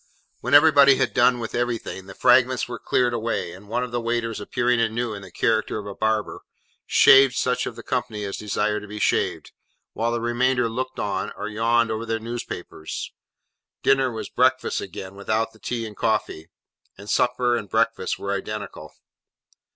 When everybody had done with everything, the fragments were cleared away: and one of the waiters appearing anew in the character of a barber, shaved such of the company as desired to be shaved; while the remainder looked on, or yawned over their newspapers. Dinner was breakfast again, without the tea and coffee; and supper and breakfast were identical.